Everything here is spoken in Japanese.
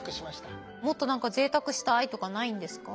もっと何かぜいたくしたいとかないんですか？